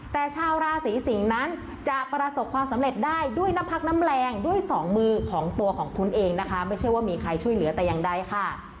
แต่ชาวราศีสิงศ์นั้นจะประสบความสำเร็จได้ด้วยน้ำพักน้ำแรงด้วยสองมือของตัวของคุณเองนะคะไม่ใช่ว่ามีใครช่วยเหลือแต่อย่างใดค่ะ